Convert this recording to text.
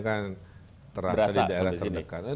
kan terasa di daerah terdekat